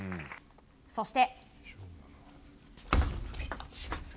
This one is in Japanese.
そして。